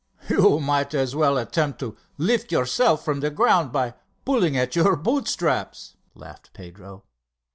"You might as well attempt to lift yourself from the ground by pulling at your boot straps!" laughed Pedro.